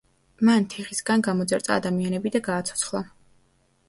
მან თიხისგან გამოძერწა ადამიანები და გააცოცხლა.